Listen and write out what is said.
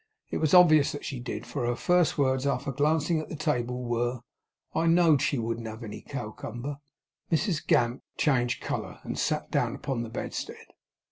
It was obvious that she did; for her first words, after glancing at the table, were: 'I know'd she wouldn't have a cowcumber!' Mrs Gamp changed colour, and sat down upon the bedstead.